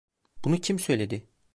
Bunu kim söyledi?